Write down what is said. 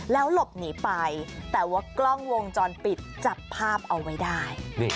แล้วหลบหนีไปแต่ว่ากล้องวงจรปิดจับภาพเอาไว้ได้